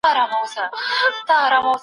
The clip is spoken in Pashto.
ډوډۍ پخه کړه.